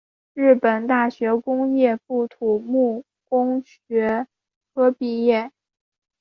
日本大学工学部土木工学科毕业。